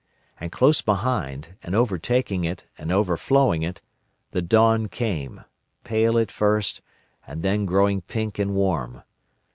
And close behind, and overtaking it, and overflowing it, the dawn came, pale at first, and then growing pink and warm.